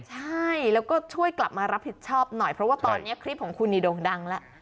ใช่แล้วก็ช่วยกลับมารับผิดชอบหน่อยเพราะว่าตอนนี้คลิปของคุณนี่โด่งดังแล้ว